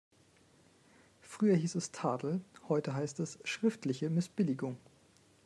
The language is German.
Früher hieß es Tadel, heute heißt es schriftliche Missbilligung.